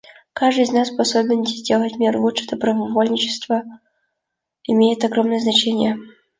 Каждый из нас способен сделать мир лучше; добровольчество имеет огромное значение.